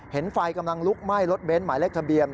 เห็นไฟกำลังลุกไหม้รถเบนซ์หมายเล็กทะเบียน